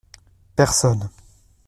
Personne.